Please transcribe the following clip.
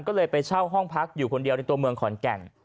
ก็เลยไปเช่าห้องพักอยู่คนเดียวในตัวเมืองขอนแก่น